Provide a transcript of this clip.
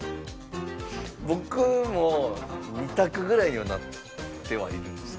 僕も２択ぐらいにはなってはいるんですけどね。